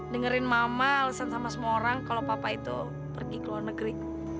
dengerin mama alasan sama semua orang kalau papa itu pergi ke luar negeri